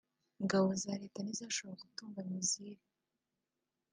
ingabo za Leta ntizashoboraga gutunga Missile